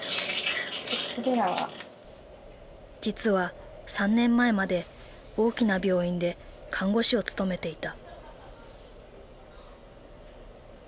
実は３年前まで大きな病院で看護師を務めていた。